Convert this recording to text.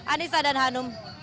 anissa dan hanum